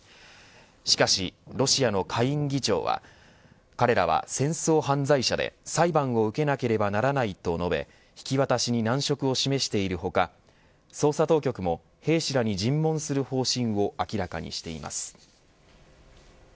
しかし、ロシアの下院議長は彼らは戦争犯罪者で裁判を受けなければならないと述べ引き渡しに難色を示している他捜査当局も兵士らに尋問する方針を明らかにしています。